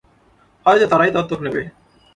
হয়তো তারাই দত্তক নেবে।